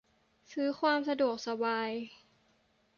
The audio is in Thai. ซื้อความสะดวกสบาย